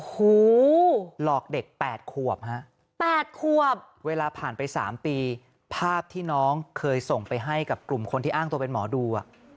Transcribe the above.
หลอกเด็ก๘ขวบฮะ๘ขวบเวลาผ่านไป๓ปีภาพที่น้องเคยส่งไปให้กับกลุ่มคนที่อ้างตัวเป็นหมอดู